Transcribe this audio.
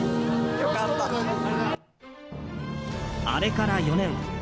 あれから４年。